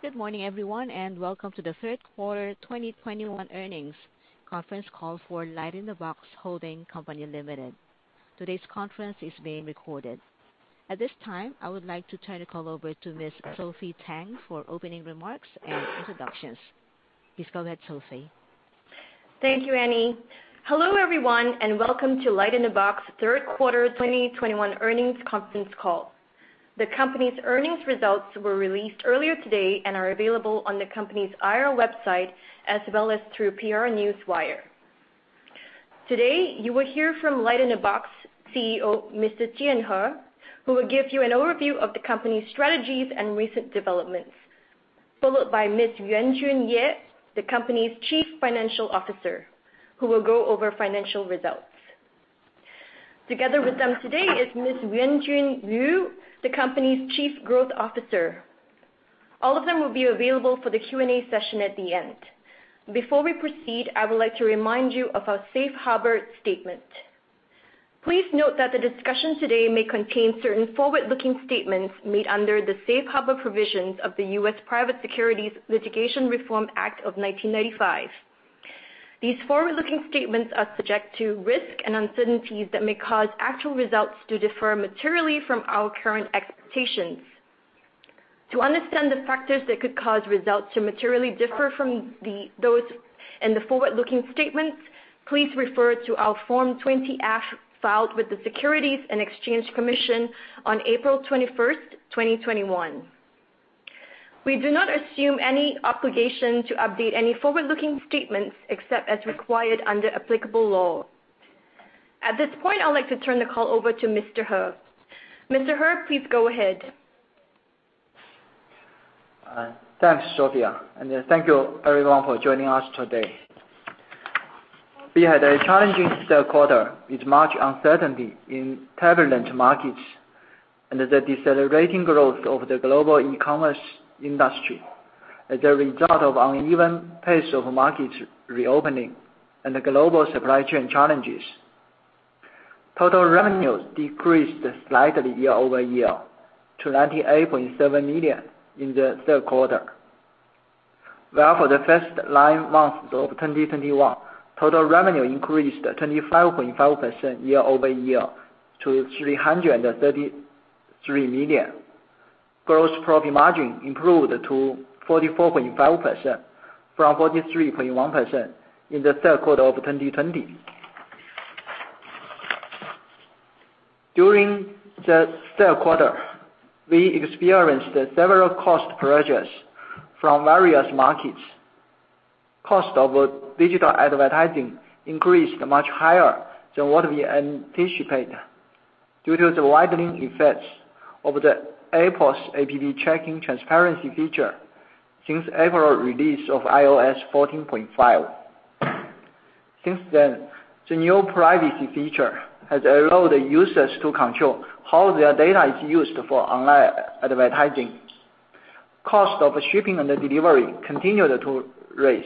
Good morning everyone, and welcome to the Q3 2021 earnings conference call for LightInTheBox Holding Co., Ltd. Today's conference is being recorded. At this time, I would like to turn the call over to Ms. Sophie Tang for opening remarks and introductions. Please go ahead, Sophie. Thank you, Annie. Hello everyone, and welcome to LightInTheBox Q3 2021 earnings conference call. The company's earnings results were released earlier today and are available on the company's IR website, as well as through PR Newswire. Today, you will hear from LightInTheBox CEO, Mr. Jian He, who will give you an overview of the company's strategies and recent developments. Followed by Ms. Yuanjun Ye, the company's Chief Financial Officer, who will go over financial results. Together with them today is Ms. Wenyu Liu, the company's Chief Growth Officer. All of them will be available for the Q&A session at the end. Before we proceed, I would like to remind you of our Safe Harbor statement. Please note that the discussion today may contain certain forward-looking statements made under the Safe Harbor provisions of the U.S. Private Securities Litigation Reform Act of 1995. These forward-looking statements are subject to risks and uncertainties that may cause actual results to differ materially from our current expectations. To understand the factors that could cause results to materially differ from those in the forward-looking statements, please refer to our Form 20-F filed with the Securities and Exchange Commission on April 21, 2021. We do not assume any obligation to update any forward-looking statements except as required under applicable law. At this point, I'd like to turn the call over to Mr. He. Mr. He, please go ahead. Thanks, Sophie. Thank you everyone for joining us today. We had a challenging Q3 with much uncertainty in turbulent markets and the decelerating growth of the global e-commerce industry as a result of uneven pace of market reopening and the global supply chain challenges. Total revenues decreased slightly year-over-year to $98.7 million in the Q3. While for the first nine months of 2021, total revenue increased 25.5% year-over-year to $333 million. Gross profit margin improved to 44.5% from 43.1% in the Q3 of 2020. During the Q3, we experienced several cost pressures from various markets. Cost of digital advertising increased much higher than what we anticipate due to the widening effects of Apple's App Tracking Transparency feature since April release of iOS 14.5. Since then, the new privacy feature has allowed users to control how their data is used for online advertising. The cost of shipping and delivery continued to rise.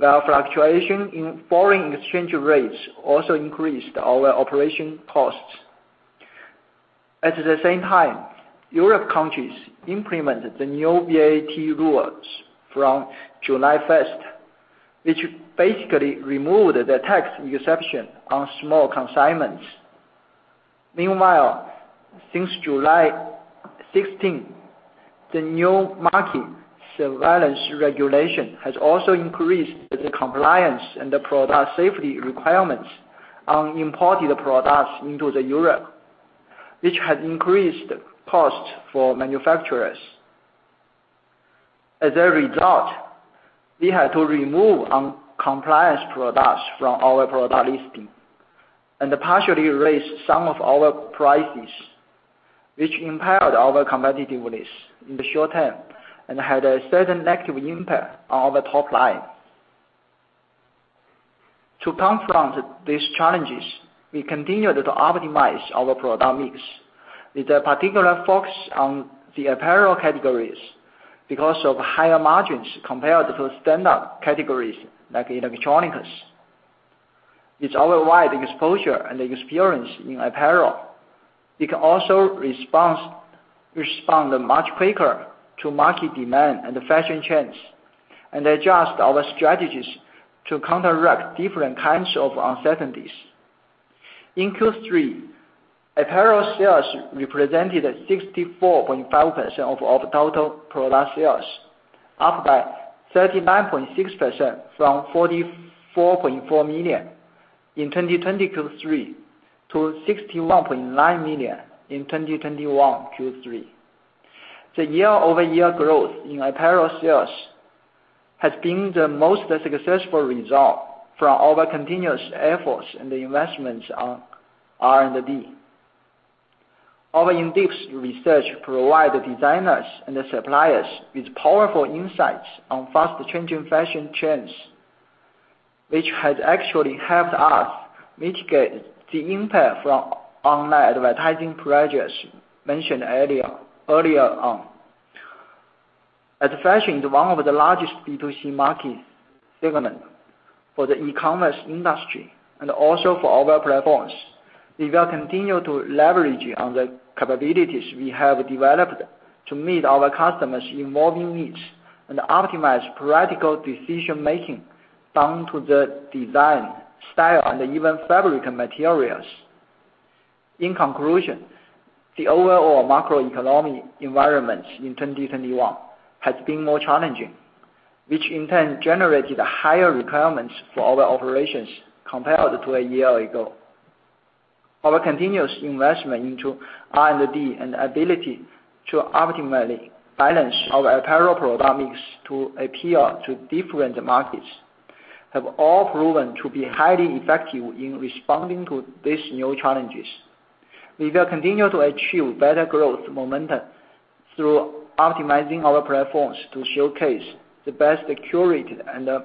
The fluctuation in foreign exchange rates also increased our operating costs. At the same time, European countries implemented the new VAT rules from July 1, which basically removed the tax exception on small consignments. Meanwhile, since July 16, the new market surveillance regulation has also increased the compliance and the product safety requirements on imported products into Europe, which has increased costs for manufacturers. As a result, we had to remove noncompliant products from our product listing and we partially raised some of our prices, which impaired our competitiveness in the short term and had a certain negative impact on our top line. To confront these challenges, we continued to optimize our product mix with a particular focus on the apparel categories because of higher margins compared to standard categories like electronics. With our wide exposure and experience in apparel, we can also respond much quicker to market demand and the fashion trends, and adjust our strategies to counteract different kinds of uncertainties. In Q3, apparel sales represented 64.5% of our total product sales, up by 39.6% from $44.4 million in 2020 Q3 to $61.9 million in 2021 Q3. The year-over-year growth in apparel sales has been the most successful result from our continuous efforts and investments on R&D. Our in-depth research provide designers and suppliers with powerful insights on fast-changing fashion trends, which has actually helped us mitigate the impact from online advertising pressures mentioned earlier on. As fashion is one of the largest B2C market segments for the e-commerce industry and also for our platforms, we will continue to leverage on the capabilities we have developed to meet our customers' evolving needs and optimize practical decision making down to the design, style, and even fabric and materials. In conclusion, the overall macroeconomic environment in 2021 has been more challenging, which in turn generated higher requirements for our operations compared to a year ago. Our continuous investment into R&D and ability to optimally balance our apparel product mix to appeal to different markets have all proven to be highly effective in responding to these new challenges. We will continue to achieve better growth momentum through optimizing our platforms to showcase the best curated and the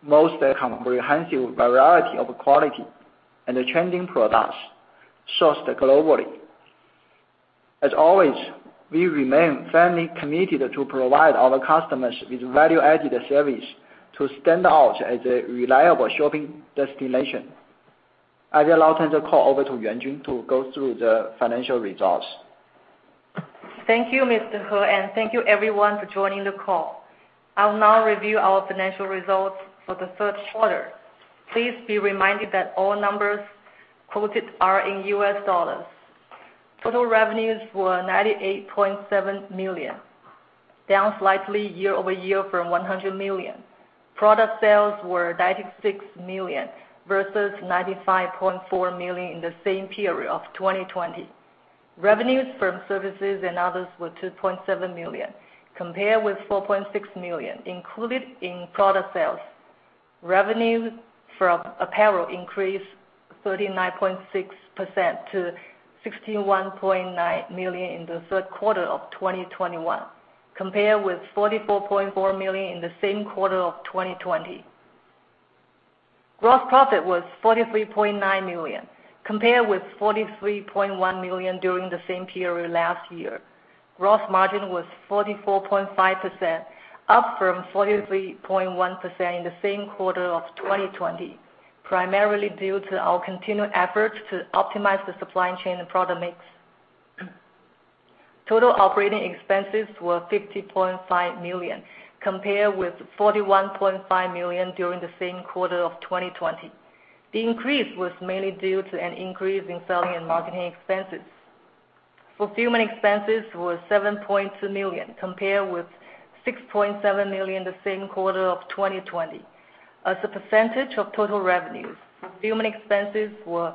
most comprehensive variety of quality and the trending products sourced globally. As always, we remain firmly committed to provide our customers with value-added service to stand out as a reliable shopping destination. I will now turn the call over to Yuanjun Ye to go through the financial results. Thank you, Mr. He, and thank you everyone for joining the call. I'll now review our financial results for the Q3. Please be reminded that all numbers quoted are in U.S. dollars. Total revenues were $98.7 million, down slightly year-over-year from $100 million. Product sales were $96 million versus $95.4 million in the same period of 2020. Revenues from services and others were $2.7 million compared with $4.6 million included in product sales. Revenues from apparel increased 39.6% to $61.9 million in the Q3 of 2021, compared with $44.4 million in the same quarter of 2020. Gross profit was $43.9 million, compared with $43.1 million during the same period last year. Gross margin was 44.5%, up from 43.1% in the same quarter of 2020, primarily due to our continued efforts to optimize the supply chain and product mix. Total operating expenses were $50.5 million, compared with $41.5 million during the same quarter of 2020. The increase was mainly due to an increase in selling and marketing expenses. Fulfillment expenses were $7.2 million, compared with $6.7 million in the same quarter of 2020. As a percentage of total revenues, fulfillment expenses were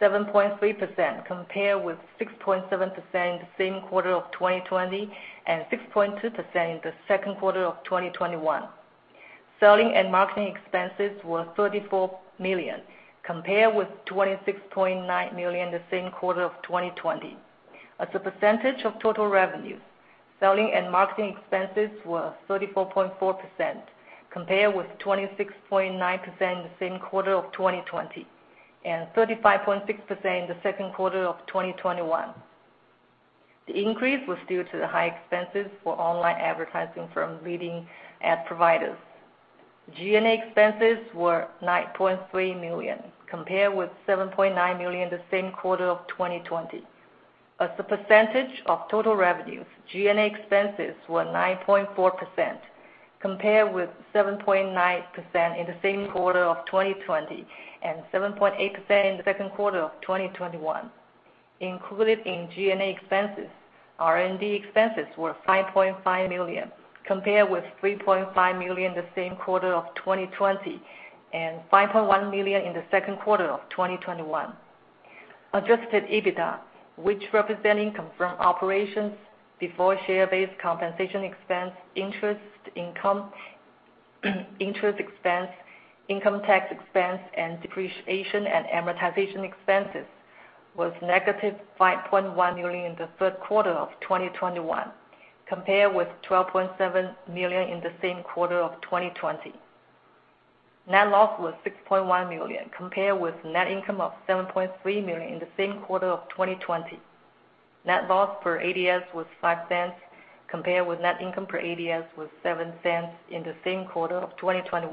7.3% compared with 6.7% in the same quarter of 2020 and 6.2% in the Q2 of 2021. Selling and marketing expenses were $34 million, compared with $26.9 million in the same quarter of 2020. As a percentage of total revenues, selling and marketing expenses were 34.4%, compared with 26.9% in the same quarter of 2020 and 35.6% in the Q2 of 2021. The increase was due to the high expenses for online advertising from leading ad providers. G&A expenses were $9.3 million, compared with $7.9 million in the same quarter of 2020. As a percentage of total revenues, G&A expenses were 9.4%, compared with 7.9% in the same quarter of 2020 and 7.8% in the Q2 of 2021. Included in G&A expenses, R&D expenses were $5.5 million, compared with $3.5 million in the same quarter of 2020 and $5.1 million in the Q2 of 2021. Adjusted EBITDA, which represents income from operations before share-based compensation expense, interest income, interest expense, income tax expense, and depreciation and amortization expenses, was -$5.1 million in the Q3 of 2021, compared with $12.7 million in the same quarter of 2020. Net loss was $6.1 million, compared with net income of $7.3 million in the same quarter of 2020. Net loss per ADS was $0.05, compared with net income per ADS of $0.07 in the same quarter of 2020.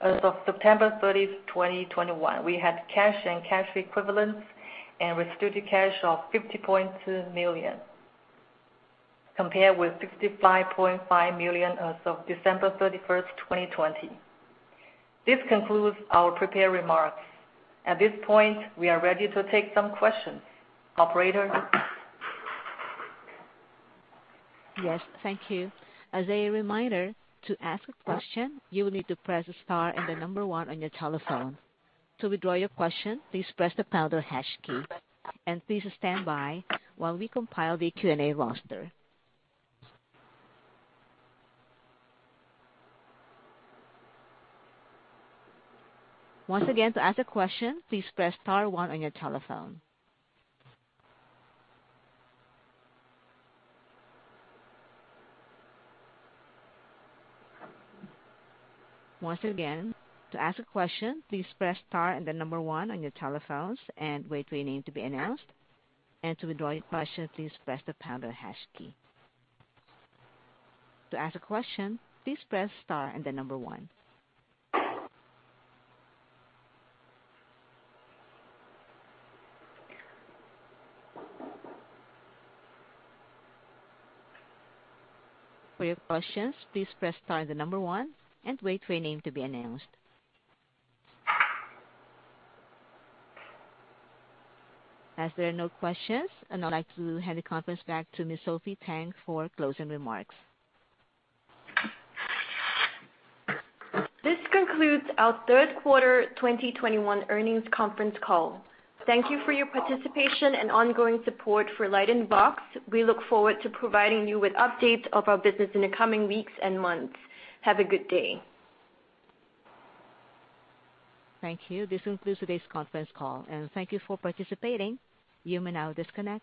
As of September 30, 2021, we had cash and cash equivalents and restricted cash of $50.2 million, compared with $65.5 million as of December 31, 2020. This concludes our prepared remarks. At this point, we are ready to take some questions. Operator? Yes. Thank you. As a reminder, to ask a question, you will need to press star and the number one on your telephone. To withdraw your question, please press the pound or hash key. Please stand by while we compile the Q&A roster. Once again, to ask a question, please press star one on your telephone. Once again, to ask a question, please press star and the number one on your telephones and wait for your name to be announced. To withdraw your question, please press the pound or hash key. To ask a question, please press star and the number one. For your questions, please press star and the number one and wait for your name to be announced. As there are no questions, I'd now like to hand the conference back to Ms. Sophie Tang for closing remarks. This concludes our Q3 2021 earnings conference call. Thank you for your participation and ongoing support for LightInTheBox. We look forward to providing you with updates of our business in the coming weeks and months. Have a good day. Thank you. This concludes today's conference call. Thank you for participating. You may now disconnect.